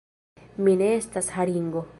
Mi ne estas haringo!